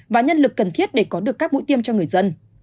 và nhân lực cần thiết để có được các mũi tiêm cho người dân